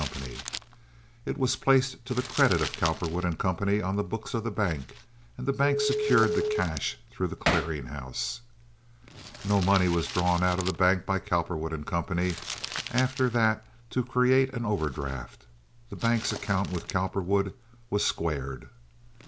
It was placed to the credit of Cowperwood & Co. on the books of the bank, and the bank secured the cash through the clearing house. No money was drawn out of the bank by Cowperwood & Co. after that to create an overdraft. The bank's account with Cowperwood was squared.